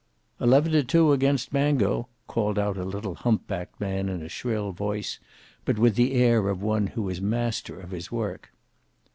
"Eleven to two against Mango," called out a little humpbacked man in a shrill voice, but with the air of one who was master of his work.